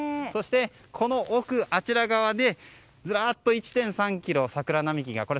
そして、この奥、あちら側でずらっと１．３ｋｍ桜並木が。